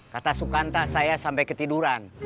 kata sukanta saya sampai ketiduran